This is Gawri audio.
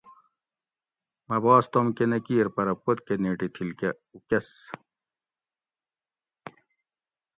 مٞہ باس توم کٞہ نہ کِیر پرہ پوت کٞہ نیٹی تھِل کٞہ اُکس